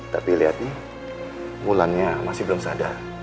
tapi lihat nih wulannya masih belum sadar